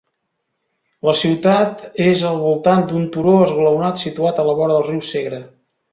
La ciutat és al voltant d'un turó esglaonat situat a la vora del riu Segre.